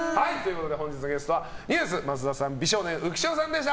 本日のゲストはＮＥＷＳ、増田さん美少年、浮所さんでした。